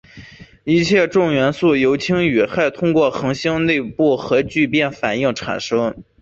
一切重元素由氢与氦通过恒星内部核聚变反应产生。